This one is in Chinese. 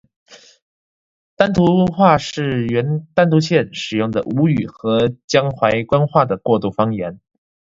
丹徒话是原丹徒县使用的吴语和江淮官话的过渡方言。